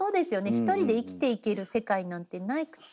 １人で生きていける世界なんてなくて。